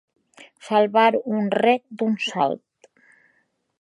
Salvar un rec d'un salt.